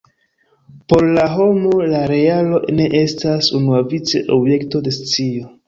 Por la homo la realo ne estas unuavice objekto de scio.